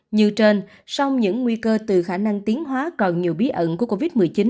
như trên sông những nguy cơ từ khả năng tiến hóa còn nhiều bí ẩn của covid một mươi chín